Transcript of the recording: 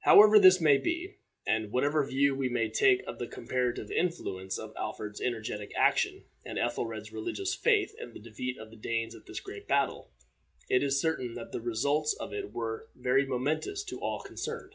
However this may be, and whatever view we may take of the comparative influence of Alfred's energetic action and Ethelred's religious faith in the defeat of the Danes at this great battle, it is certain that the results of it were very momentous to all concerned.